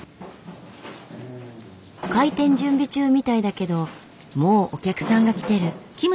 開店準備中みたいだけどもうお客さんが来てる。